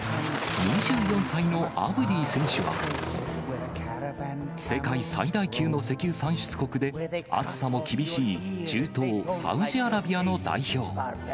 ２４歳のアブディ選手は、世界最大級の石油産出国で、暑さも厳しい中東、サウジアラビアの代表。